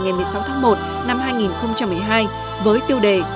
ngày một mươi sáu tháng một năm hai nghìn một mươi hai với tiêu đề